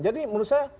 jadi menurut saya